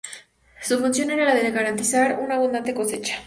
Su función era la de garantizar una abundante cosecha.